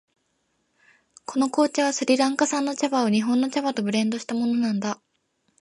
この紅茶はスリランカ産の茶葉を日本の茶葉とブレンドしたものなんだ。